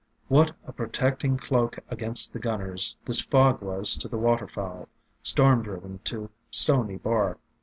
What a protecting cloak against the gunners this fog was to the water fowl, storm driven to the stony bar!